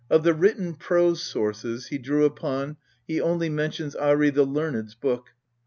xiv INTRODUCTION the written prose sources he drew upon he only mentions Arl the Learned's 'book